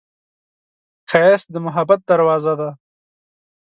ښایست د محبت دروازه ده